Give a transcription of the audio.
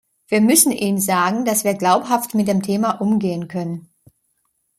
Wir müssen ihnen sagen, dass wir glaubhaft mit dem Thema umgehen können.